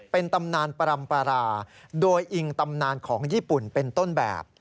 เป็นตำนานปรำปราโดยอิงตำนานของญี่ปุ่นเป็นต้นแบบ